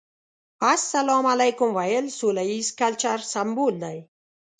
السلام عليکم ويل سوله ييز کلچر سمبول دی.